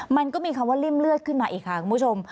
มันก็มีคำว่าริ่มเลือดขึ้นมาอีกค่ะคุณผู้ชม